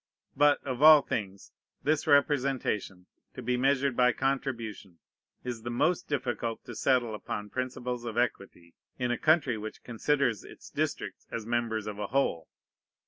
But, of all things, this representation, to be measured by contribution, is the most difficult to settle upon principles of equity in a country which considers its districts as members of a whole.